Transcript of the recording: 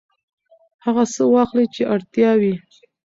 هغه څه واخلئ چې اړتیا وي.